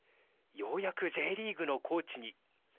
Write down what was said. ようやくＪリーグのコーチに。